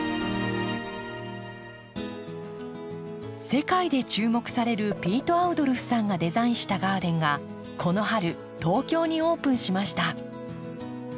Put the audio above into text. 世界で注目されるピート・アウドルフさんがデザインしたガーデンがこの春東京にオープンしました。